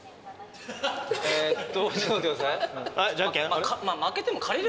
えっとちょっと待ってください。